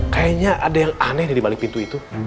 kayaknya ada yang aneh nih di balik pintu itu